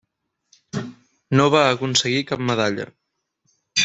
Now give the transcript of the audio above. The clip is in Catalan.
No va aconseguir cap medalla.